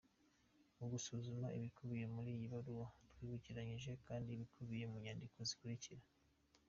Mu gusuzuma ibikubiye muri iyo baruwa twibukiranije kandi ibikubiye mu nyandiko zikurikira :